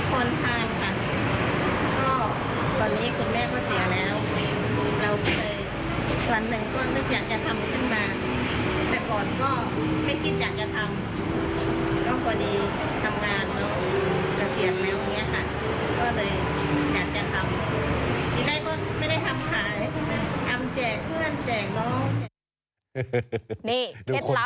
ว่าแม่ของผมอยู่อยู่เนี่ยค่ะ